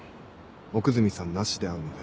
奥泉さんなしで会うので。